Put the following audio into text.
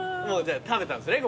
食べたんですね。